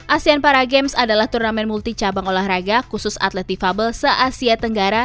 asean para games adalah turnamen multi cabang olahraga khusus atlet difabel se asia tenggara